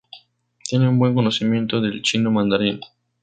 Tiene un buen conocimiento del chino mandarín.